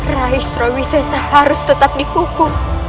raih surawisesa harus tetap dihukum